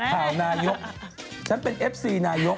ข่าวนายกฉันเป็นเอฟซีนายก